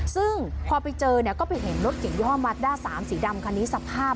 ซึ่งพอไปเจอก็ไปเห็นรถกินย่อมัดด้า๓สีดำคันนี้สภาพ